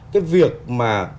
cái việc mà